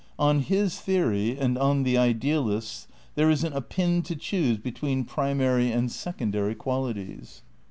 On his theory — and on the idealist's — there isn't a pin to choose between primary and secondary qualities.